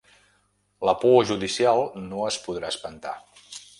La por judicial no es podrà espantar.